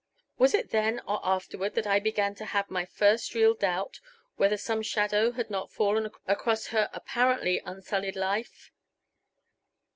Was it then or afterward that I began to have my first real doubt whether some shadow had not fallen across her apparently unsullied life?